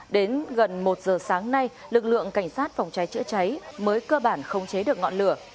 đến gần một giờ sáng nay lực lượng cảnh sát phòng cháy chữa cháy mới cơ bản khống chế được ngọn lửa